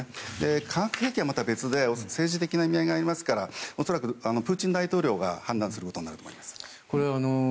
化学兵器はまた別で政治的な意味合いがありますからプーチン大統領が判断することになると思います。